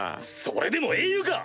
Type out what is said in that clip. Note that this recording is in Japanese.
それでも英雄か！